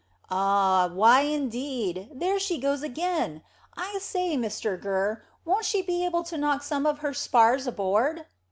"Ah, why indeed? There she goes again. I say, Mr Gurr, won't she be able to knock some of her spars overboard."